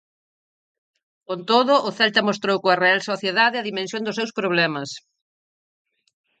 Con todo, o Celta mostrou coa Real Sociedade a dimensión dos seus problemas.